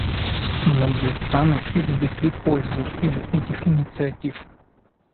Многие страны извлекли пользу из этих инициатив.